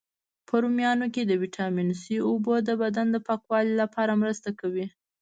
په رومیانو کی د ویټامین C، اوبو د بدن د پاکوالي لپاره مرسته کوي.